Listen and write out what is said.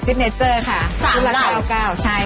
ใช่ซิทเนสเซอร์ค่ะซูลาเก้าใช่ค่ะ